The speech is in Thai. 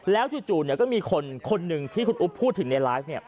แล้วจู่ก็มีคนหนึ่งที่คุณอุ๊บพูดถึงในไลฟ์เนี่ย